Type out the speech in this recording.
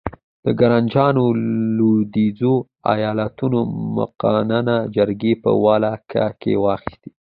ګرانجرانو لوېدیځو ایالتونو مقننه جرګې په ولکه کې واخیستې.